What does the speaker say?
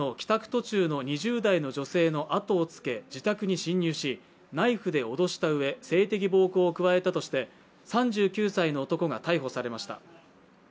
途中の女性のあとをつけ自宅に侵入し、ナイフで脅したうえ性的暴行を加えたとして３９歳の男が逮捕されました。